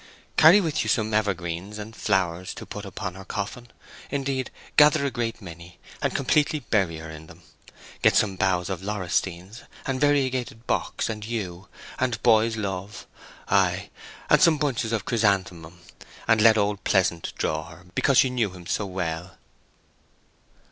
"Carry with you some evergreens and flowers to put upon her coffin—indeed, gather a great many, and completely bury her in them. Get some boughs of laurustinus, and variegated box, and yew, and boy's love; ay, and some bunches of chrysanthemum. And let old Pleasant draw her, because she knew him so well."